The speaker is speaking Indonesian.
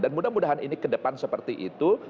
dan mudah mudahan ini kedepan seperti itu